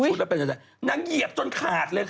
อุ๊ยนังเหยียบจนขาดเลยค่ะ